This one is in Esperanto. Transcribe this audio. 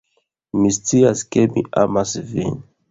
Mi scias ke mi amas vin.